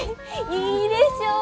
いいでしょ？